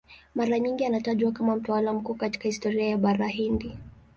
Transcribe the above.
Mara nyingi anatajwa kama mtawala mkuu katika historia ya Bara Hindi.